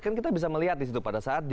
kan kita bisa melihat di situ pada saat